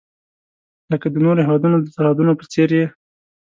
لکه د نورو هیوادونو د سرحدونو په څیر یې.